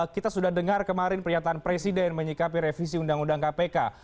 kita sudah dengar kemarin pernyataan presiden menyikapi revisi undang undang kpk